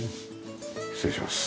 失礼します。